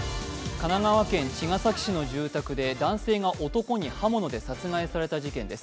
神奈川県茅ヶ崎市の住宅で男性が男に刃物で殺害された事件です。